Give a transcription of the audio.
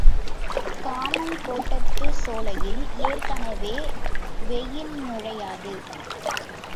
காமன்கோட்டத்துச் சோலையில் ஏற்கெனவே வெயில் நுழையாது.